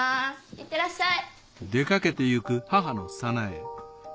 いってらっしゃい。